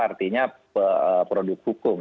artinya produk hukum